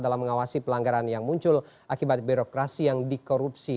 dalam mengawasi pelanggaran yang muncul akibat birokrasi yang dikorupsi